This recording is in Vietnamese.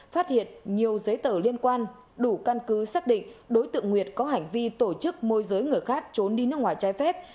phát hiện nhiều giấy tờ liên quan đủ căn cứ xác định đối tượng nguyệt có hành vi tổ chức môi giới người khác trốn đi nước ngoài trái phép